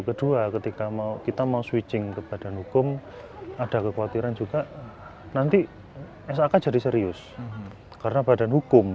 kedua ketika kita mau switching ke badan hukum ada kekhawatiran juga nanti sak jadi serius karena badan hukum